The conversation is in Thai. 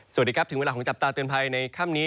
สวัสดีครับถึงเวลาของจับตาเตือนภัยในค่ำนี้